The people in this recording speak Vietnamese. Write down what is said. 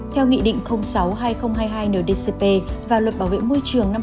theo nghị định sáu hai nghìn hai mươi hai ndcp và luật bảo vệ môi trường năm hai nghìn hai mươi